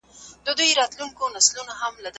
B ګروپ د ناروغیو ضد مقاومت لري.